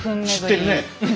知ってる。